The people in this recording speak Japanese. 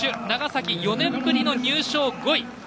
長崎、４年ぶりの入賞５位。